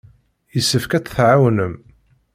Yessefk ad tt-tɛawnem.